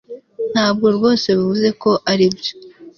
ntabwo rwose bivuze ko aribyo